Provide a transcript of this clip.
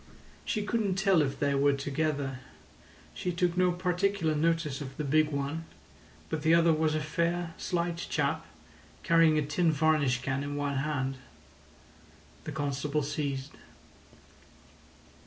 "She couldn't tell if they were together. She took no particular notice of the big one, but the other was a fair, slight chap, carrying a tin varnish can in one hand." The constable ceased.